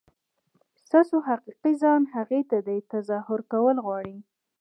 ستاسو حقیقي ځان هغه دی چې تظاهر کول غواړي.